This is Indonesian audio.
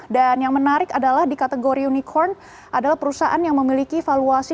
dan yang menarik adalah di kategori unicorn adalah perusahaan yang memiliki valuasi